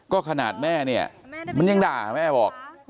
ก็ขนาดแม่เนี่ยมันยังด่าแม่บอก